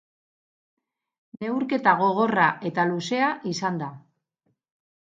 Neurketa gogorra eta luzea izan da.